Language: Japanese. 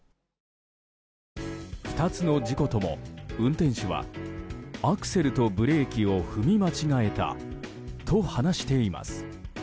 ２つの事故とも運転手はアクセルとブレーキを踏み間違えたと話しています。